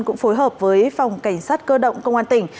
cũng phối hợp với phòng cảnh sát cơ động công an tỉnh